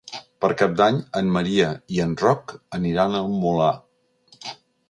Per Cap d'Any en Maria i en Roc aniran al Molar.